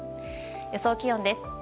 予想気温です。